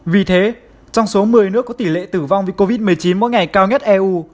vì thế trong số một mươi nước có tỷ lệ tử vong vì covid một mươi chín mỗi ngày cao nhất eu